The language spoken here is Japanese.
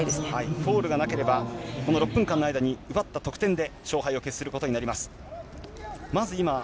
フォールがなければ、この６分間に奪ったポイントの数で勝敗を決することになります。